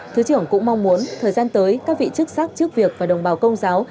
thứ trưởng cũng mong muốn thời gian tới các vị chức sắc trước việc và đồng bào công giáo